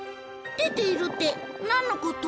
「出ている」って何のこと？